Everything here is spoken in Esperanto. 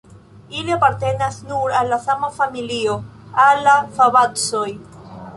Ili apartenas nur al la sama familio, al la fabacoj.